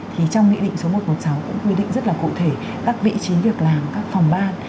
thì trong nghị định số một trăm một mươi sáu cũng quy định rất là cụ thể các vị trí việc làm của các phòng ban